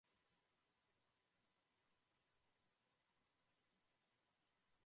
Benson se encuentra en la parte sur del condado al noroeste de Schenectady.